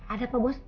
ada pak bos